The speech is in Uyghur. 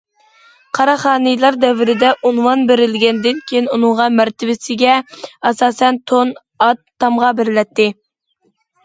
قاراخانىيلار دەۋرىدە ئۇنۋان بېرىلگەندىن كېيىن، ئۇنىڭغا مەرتىۋىسىگە ئاساسەن تون، ئات، تامغا بېرىلەتتى.